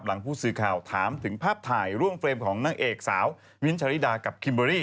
หลังผู้สื่อข่าวถามถึงภาพถ่ายร่วมเฟรมของนางเอกสาวมิ้นท์ชาริดากับคิมเบอรี่